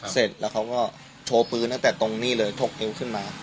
เสร็จแล้วเขาก็โชว์ปืนตั้งแต่ตรงนี้เลยถกเอวขึ้นมา